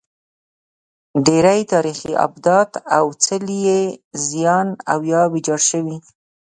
ډېری تاریخي ابدات او څلي یې زیان او یا ویجاړ شوي.